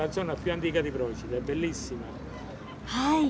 はい。